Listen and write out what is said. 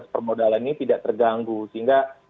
permodalan ini tidak terganggu sehingga